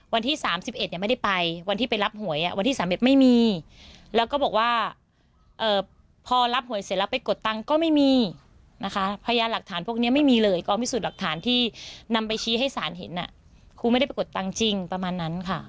วันที่๓๑ไม่ได้ไปวันที่ไปรับหวยวันที่๓๑ไม่มีแล้วก็บอกว่าพอรับหวยเสร็จแล้วไปกดตังค์ก็ไม่มีนะคะพยานหลักฐานพวกนี้ไม่มีเลยกองพิสูจน์หลักฐานที่นำไปชี้ให้สารเห็นครูไม่ได้ไปกดตังค์จริงประมาณนั้นค่ะ